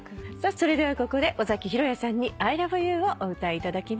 それではここで尾崎裕哉さんに『ＩＬＯＶＥＹＯＵ』をお歌いいただきます。